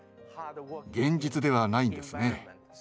現実ではないんですね。